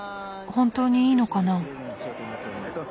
本当にいいのかな？